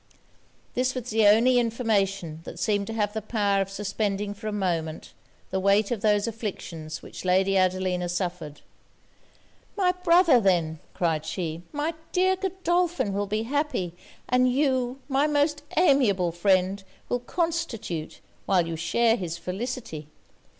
This was the only information that seemed to have the power of suspending for a moment the weight of those afflictions which Lady Adelina suffered. 'My brother then,' cried she 'my dear Godolphin, will be happy! And you, my most amiable friend, will constitute, while you share his felicity.